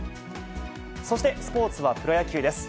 そして、スポーツはプロ野球です。